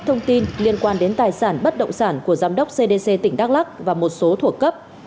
thông tin liên quan đến tài sản bất động sản của giám đốc cdc tỉnh đắk lắc và một số thuộc cấp